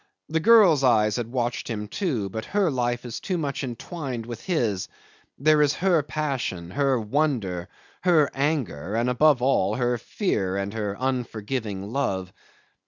The girl's eyes had watched him too, but her life is too much entwined with his: there is her passion, her wonder, her anger, and, above all, her fear and her unforgiving love.